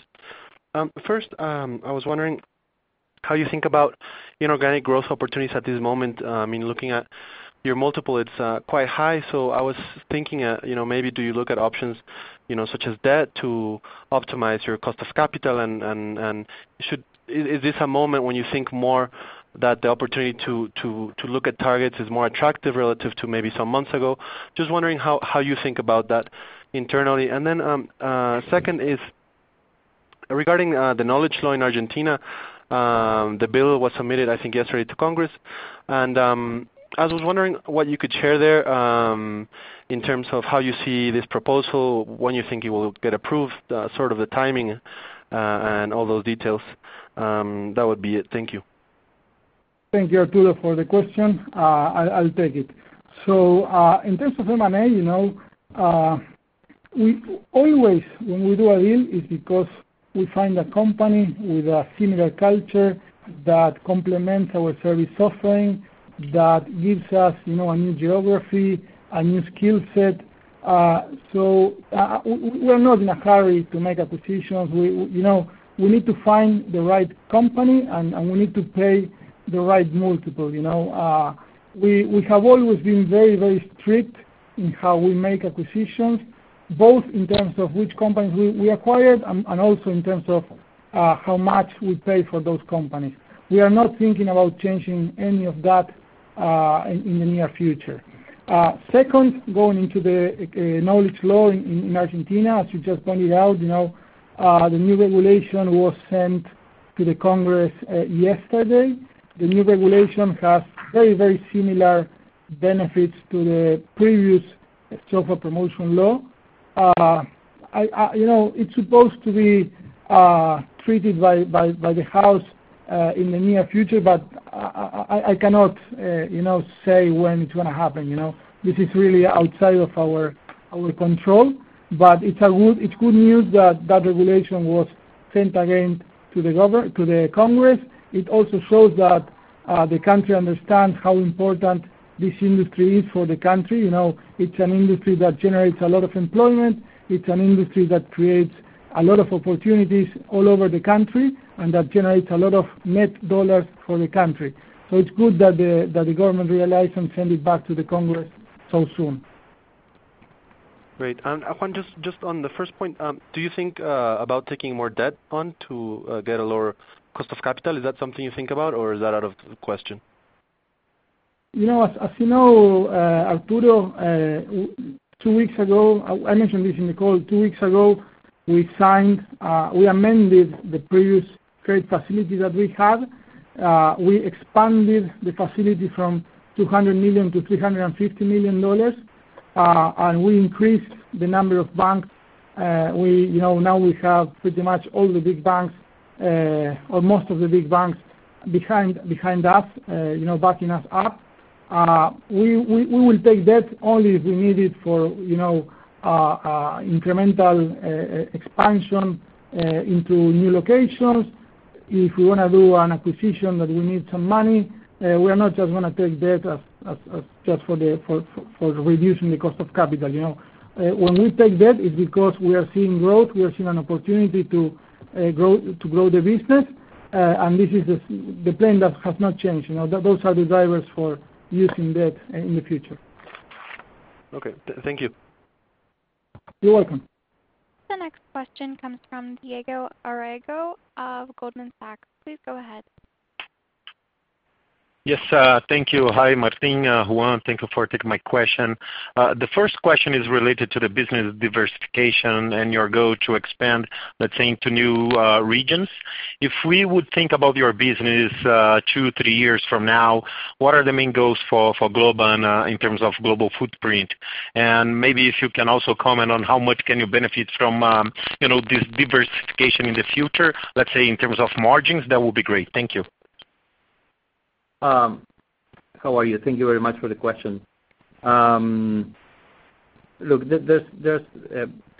First, I was wondering how you think about inorganic growth opportunities at this moment. I mean, looking at your multiple, it's quite high. I was thinking, maybe do you look at options such as debt to optimize your cost of capital? Is this a moment when you think more that the opportunity to look at targets is more attractive relative to maybe some months ago? Just wondering how you think about that internally. Second is regarding the knowledge law in Argentina. The bill was submitted, I think, yesterday to Congress. I was wondering what you could share there, in terms of how you see this proposal, when you think it will get approved, sort of the timing, and all those details. That would be it. Thank you. Thank you, Arturo, for the question. I'll take it. In terms of M&A, always when we do a deal, it's because we find a company with a similar culture that complements our service offering, that gives us a new geography, a new skill set. We're not in a hurry to make acquisitions. We need to find the right company, and we need to pay the right multiple. We have always been very strict in how we make acquisitions, both in terms of which companies we acquired and also in terms of how much we pay for those companies. We are not thinking about changing any of that in the near future. Second, going into the knowledge law in Argentina, as you just pointed out, the new regulation was sent to the Congress yesterday. The new regulation has very similar benefits to the previous software promotion law. It's supposed to be treated by the House in the near future, but I cannot say when it's going to happen. This is really outside of our control, but it's good news that that regulation was sent again to the Congress. It also shows that the country understands how important this industry is for the country. It's an industry that generates a lot of employment. It's an industry that creates a lot of opportunities all over the country, and that generates a lot of net dollars for the country. It's good that the government realized and send it back to the Congress so soon. Great. Juan, just on the first point, do you think about taking more debt on to get a lower cost of capital? Is that something you think about, or is that out of the question? As you know, Arturo, I mentioned this in the call. Two weeks ago, we amended the previous credit facility that we had. We expanded the facility from $200 million-$350 million. We increased the number of banks. Now we have pretty much all the big banks or most of the big banks behind us, backing us up. We will take debt only if we need it for incremental expansion into new locations. If we want to do an acquisition that we need some money, we are not just going to take debt just for reducing the cost of capital. When we take debt, it's because we are seeing growth, we are seeing an opportunity to grow the business. This is the plan that has not changed. Those are the drivers for using debt in the future. Okay. Thank you. You're welcome. The next question comes from Diego Aragão of Goldman Sachs. Please go ahead. Yes, thank you. Hi, Martín, Juan. Thank you for taking my question. The first question is related to the business diversification and your goal to expand, let's say, into new regions. If we would think about your business two, three years from now, what are the main goals for Globant in terms of global footprint? Maybe if you can also comment on how much can you benefit from this diversification in the future, let's say in terms of margins, that will be great. Thank you. How are you? Thank you very much for the question. Look, there's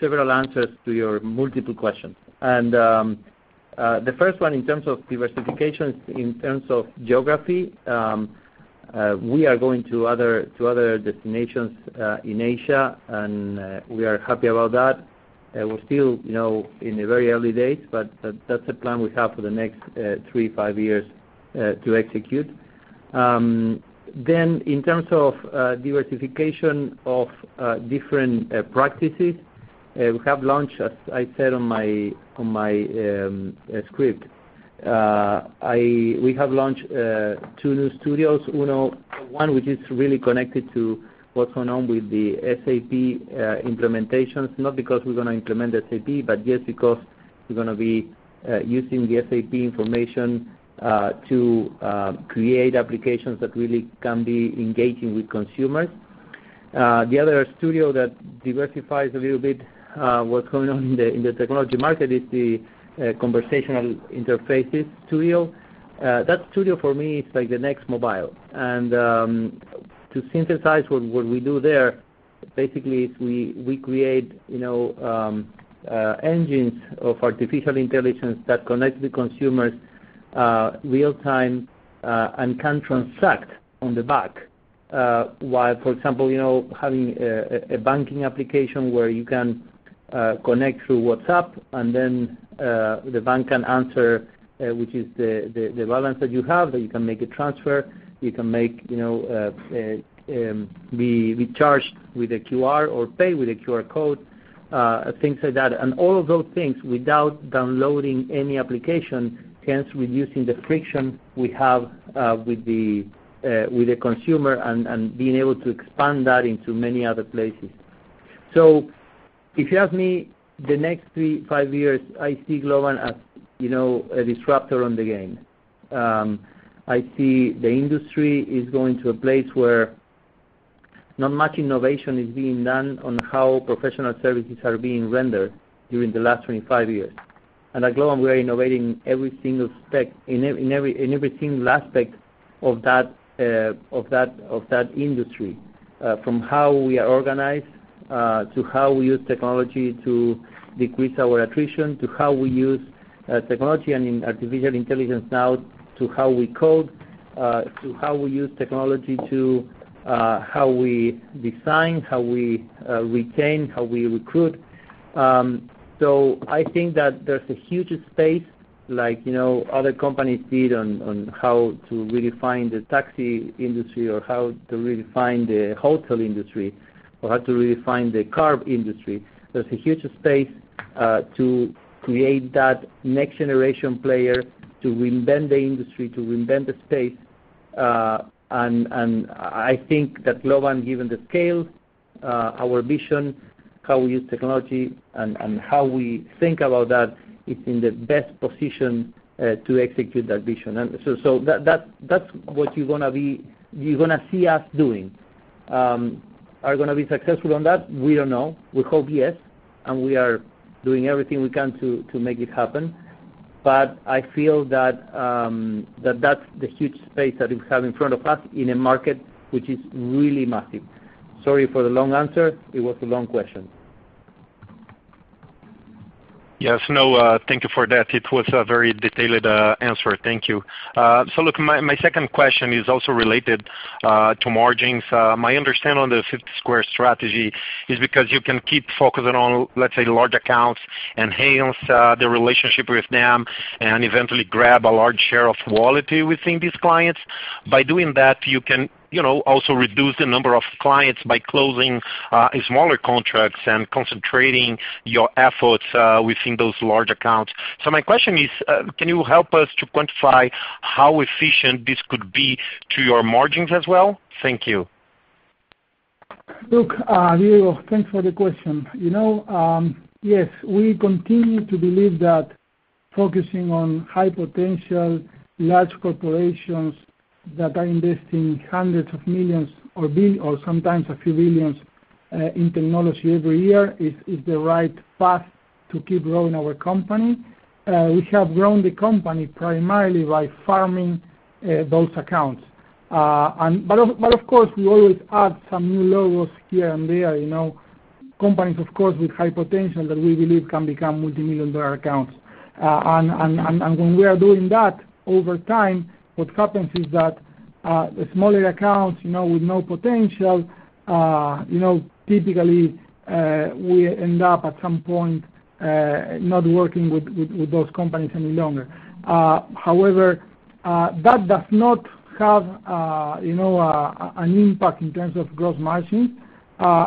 several answers to your multiple questions. The first one, in terms of diversification, in terms of geography, we are going to other destinations in Asia, and we are happy about that. We're still in the very early days, but that's the plan we have for the next three, 5 years to execute. In terms of diversification of different practices, we have launched, as I said on my script, we have launched two new studios. One which is really connected to what's going on with the SAP implementations. Not because we're going to implement SAP, but just because we're going to be using the SAP information to create applications that really can be engaging with consumers. The other studio that diversifies a little bit what's going on in the technology market is the Conversational Interfaces Studio. That studio, for me, it's like the next mobile. To synthesize what we do there, basically, we create engines of artificial intelligence that connect the consumers real-time and can transact on the back. For example, having a banking application where you can connect through WhatsApp and then the bank can answer, which is the balance that you have, that you can make a transfer. You can be charged with a QR or pay with a QR code, things like that. All of those things without downloading any application, hence reducing the friction we have with the consumer and being able to expand that into many other places. If you ask me, the next three, five years, I see Globant as a disruptor on the game. I see the industry is going to a place where not much innovation is being done on how professional services are being rendered during the last 25 years. At Globant, we are innovating in every single aspect of that industry. From how we are organized, to how we use technology to decrease our attrition, to how we use technology and artificial intelligence now, to how we code, to how we use technology to how we design, how we retain, how we recruit. I think that there's a huge space, like other companies did on how to redefine the taxi industry or how to redefine the hotel industry or how to redefine the car industry. There's a huge space to create that next-generation player to reinvent the industry, to reinvent the space. I think that Globant, given the scale, our vision, how we use technology and how we think about that, it's in the best position to execute that vision. That's what you're going to see us doing. Are we going to be successful on that? We don't know. We hope, yes, and we are doing everything we can to make it happen. I feel that's the huge space that we have in front of us in a market which is really massive. Sorry for the long answer. It was a long question. Yes. No, thank you for that. It was a very detailed answer. Thank you. Look, my second question is also related to margins. My understanding on the 50 Squared strategy is because you can keep focusing on, let's say, large accounts, enhance the relationship with them, and eventually grab a large share of wallet within these clients. By doing that, you can also reduce the number of clients by closing smaller contracts and concentrating your efforts within those large accounts. My question is, can you help us to quantify how efficient this could be to your margins as well? Thank you. Look, Diego, thanks for the question. Yes, we continue to believe that focusing on high-potential large corporations that are investing hundreds of millions or sometimes a few billions in technology every year is the right path to keep growing our company. We have grown the company primarily by farming those accounts. Of course, we always add some new logos here and there. Companies, of course, with high potential that we believe can become multi-million-dollar accounts. When we are doing that, over time, what happens is that the smaller accounts with no potential, typically, we end up at some point, not working with those companies any longer. However, that does not have an impact in terms of gross margin.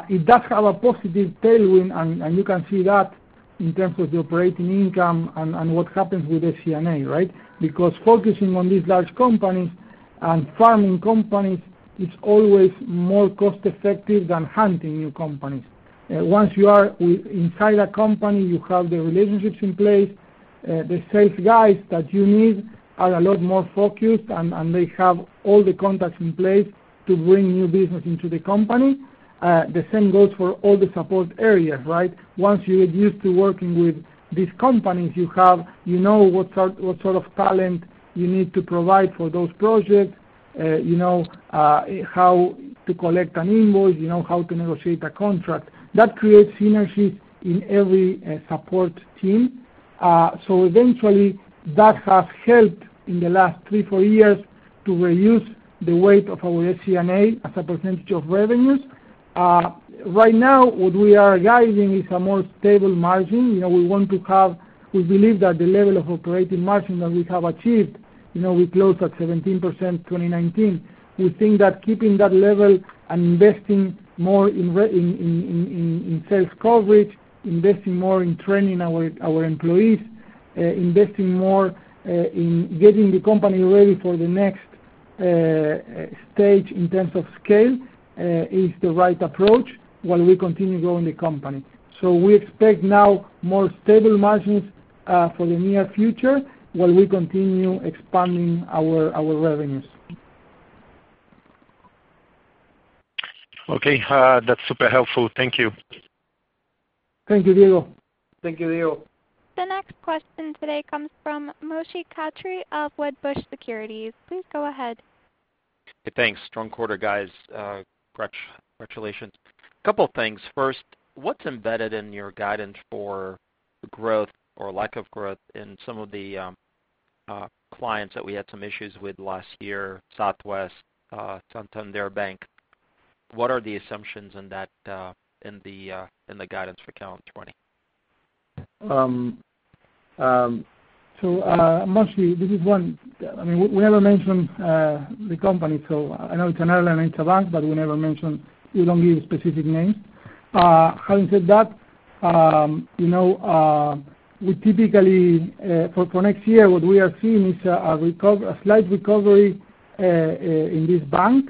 It does have a positive tailwind, and you can see that in terms of the operating income and what happens with SG&A, right? Focusing on these large companies and farming companies is always more cost-effective than hunting new companies. Once you are inside a company, you have the relationships in place, the sales guys that you need are a lot more focused, and they have all the contacts in place to bring new business into the company. The same goes for all the support areas, right? Once you are used to working with these companies, you know what sort of talent you need to provide for those projects. You know how to collect an invoice. You know how to negotiate a contract. That creates synergy in every support team. Eventually, that has helped in the last three, four years to reduce the weight of our SG&A as a % of revenues. Right now, what we are guiding is a more stable margin. We believe that the level of operating margin that we have achieved, we closed at 17% 2019. We think that keeping that level and investing more in sales coverage, investing more in training our employees, investing more in getting the company ready for the next stage in terms of scale is the right approach while we continue growing the company. We expect now more stable margins for the near future while we continue expanding our revenues. Okay. That's super helpful. Thank you. Thank you, Diego. Thank you, Diego. The next question today comes from Moshe Katri of Wedbush Securities. Please go ahead. Hey, thanks. Strong quarter, guys. Congratulations. A couple of things. First, what's embedded in your guidance for growth or lack of growth in some of the clients that we had some issues with last year, Southwest, Santander Bank? What are the assumptions in the guidance for calendar 2020? Moshe, we never mention the company, so I know it's an airline and it's a bank, but we never mention, we don't give specific names. Having said that, we typically, for next year, what we are seeing is a slight recovery in this bank.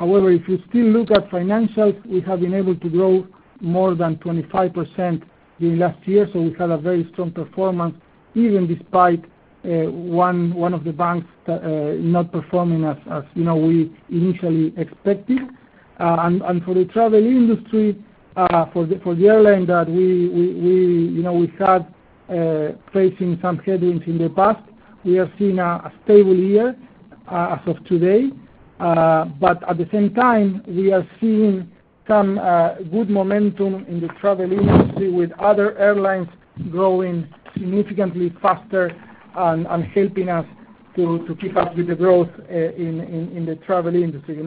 If you still look at financials, we have been able to grow more than 25% during last year. We've had a very strong performance, even despite one of the banks not performing as we initially expected. For the travel industry, for the airline that we had facing some headwinds in the past, we have seen a stable year as of today. At the same time, we are seeing some good momentum in the travel industry with other airlines growing significantly faster and helping us to keep up with the growth in the travel industry.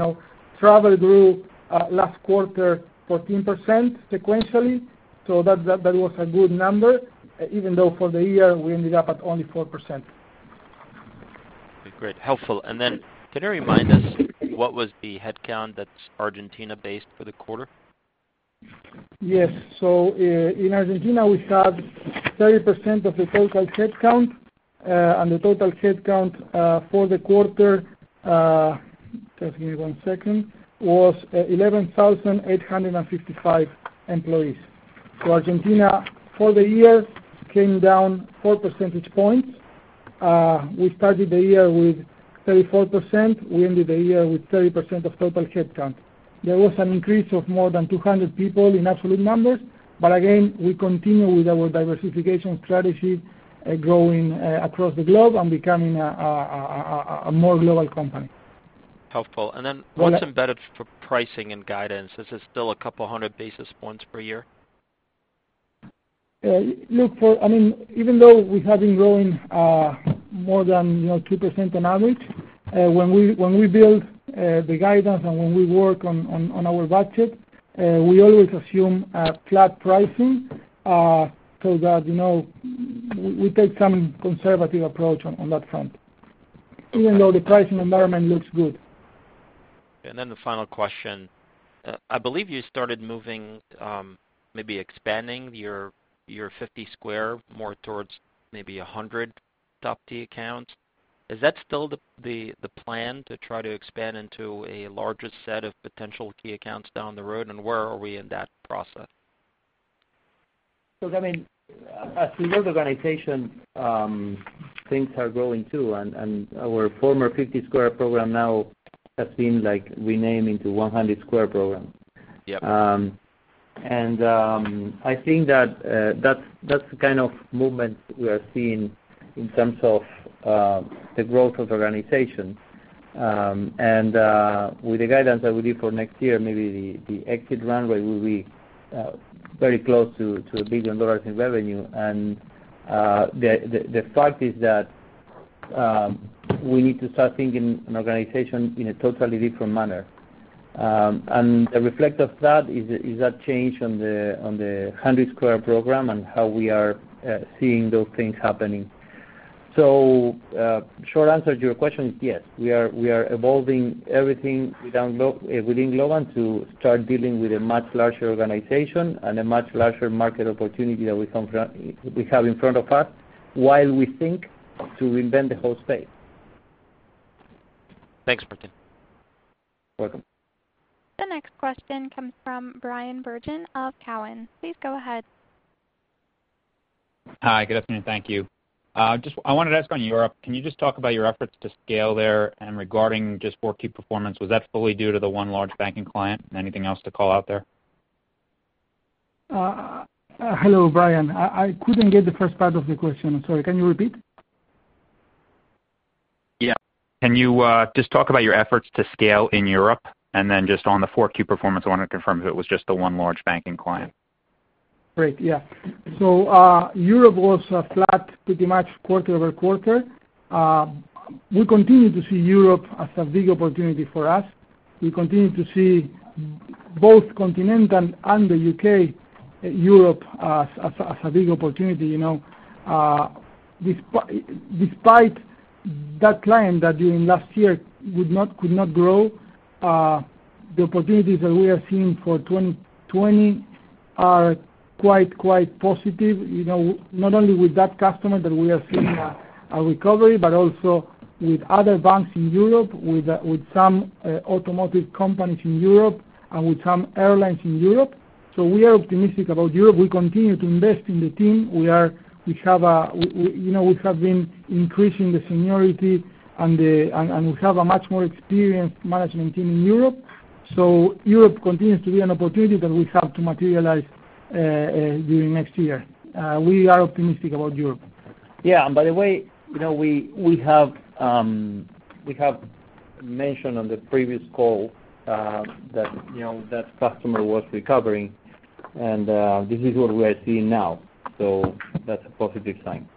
Travel grew last quarter 14% sequentially. That was a good number, even though for the year, we ended up at only 4%. Okay, great. Helpful. Then can you remind us what was the headcount that's Argentina-based for the quarter? Yes. In Argentina, we have 30% of the total headcount. The total headcount for the quarter, just give me one second, was 11,855 employees. Argentina for the year came down 4% points. We started the year with 34%. We ended the year with 30% of total headcount. There was an increase of more than 200 people in absolute numbers. Again, we continue with our diversification strategy, growing across the globe and becoming a more global company. Helpful. What's embedded for pricing and guidance? Is this still a couple of hundred basis points per year? Look, even though we have been growing more than 2% on average, when we build the guidance and when we work on our budget, we always assume a flat pricing, so that we take some conservative approach on that front even though the pricing environment looks good. The final question. I believe you started moving, maybe expanding your 50 Squared more towards maybe 100 Squared accounts. Is that still the plan, to try to expand into a larger set of potential key accounts down the road, and where are we in that process? I mean, as we grow the organization, things are growing, too, and our former 50 Square program now has been renamed into 100 Squared program. Yep. I think that's the kind of movement we are seeing in terms of the growth of the organization. With the guidance that we give for next year, maybe the exit runway will be very close to $1 billion in revenue. The fact is that we need to start thinking an organization in a totally different manner. The reflect of that is that change on the 100 Squared program and how we are seeing those things happening. Short answer to your question is yes, we are evolving everything within Globant to start dealing with a much larger organization and a much larger market opportunity that we have in front of us while we think to reinvent the whole space. Thanks, Martín. Welcome. The next question comes from Bryan Bergin of Cowen. Please go ahead. Hi, good afternoon. Thank you. I wanted to ask on Europe, can you just talk about your efforts to scale there and regarding just 4Q performance, was that fully due to the one large banking client? Anything else to call out there? Hello, Bryan. I couldn't get the first part of the question. I'm sorry. Can you repeat? Yeah. Can you just talk about your efforts to scale in Europe? Then just on the 4Q performance, I wanted to confirm if it was just the one large banking client. Great, yeah. Europe was flat pretty much quarter-over-quarter. We continue to see Europe as a big opportunity for us. We continue to see both continental and the U.K., Europe, as a big opportunity. Despite that client that during last year could not grow, the opportunities that we are seeing for 2020 are quite positive. Not only with that customer that we are seeing a recovery, but also with other banks in Europe, with some automotive companies in Europe and with some airlines in Europe. We are optimistic about Europe. We continue to invest in the team. We have been increasing the seniority, and we have a much more experienced management team in Europe. Europe continues to be an opportunity that we have to materialize during next year. We are optimistic about Europe. Yeah. By the way, we have mentioned on the previous call that customer was recovering, and this is what we are seeing now. That's a positive sign.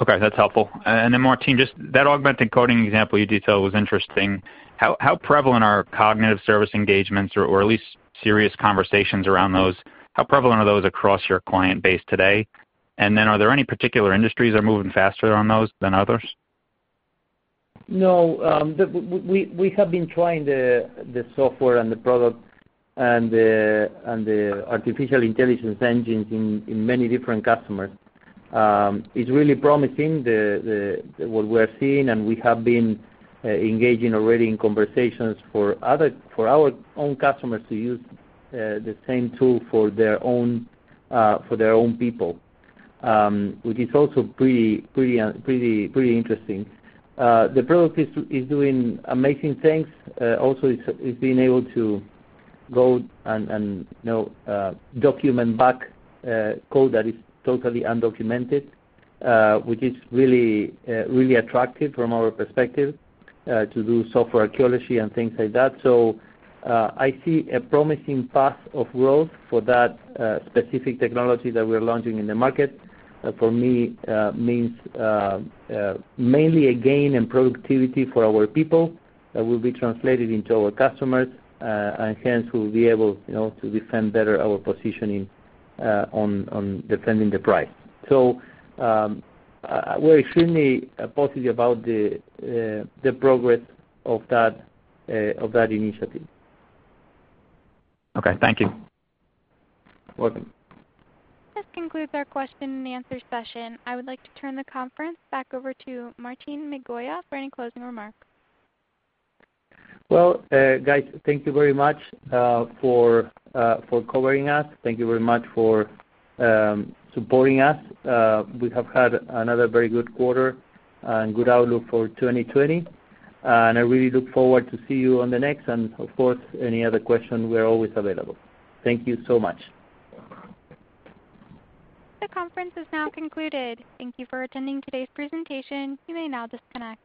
Okay, that's helpful. Then Martín, just that augmented coding example you detailed was interesting. How prevalent are cognitive service engagements or at least serious conversations around those? How prevalent are those across your client base today? Are there any particular industries that are moving faster on those than others? No, we have been trying the software and the product and the artificial intelligence engines in many different customers. It's really promising what we are seeing, and we have been engaging already in conversations for our own customers to use the same tool for their own people, which is also pretty interesting. The product is doing amazing things. Also, it's been able to go and document back code that is totally undocumented, which is really attractive from our perspective, to do software archaeology and things like that. I see a promising path of growth for that specific technology that we are launching in the market. For me, means mainly a gain in productivity for our people that will be translated into our c Okay. Thank you. Welcome. This concludes our question and answer session. I would like to turn the conference back over to Martín Migoya for any closing remarks. Well, guys, thank you very much for covering us. Thank you very much for supporting us. We have had another very good quarter and good outlook for 2020. I really look forward to see you on the next and, of course, any other question, we are always available. Thank you so much. The conference is now concluded. Thank you for attending today's presentation. You may now disconnect.